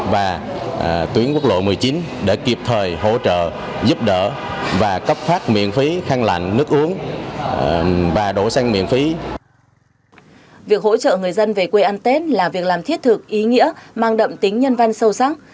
việc hỗ trợ người dân về quê ăn tết là việc làm thiết thực ý nghĩa mang đậm tính nhân văn sâu sắc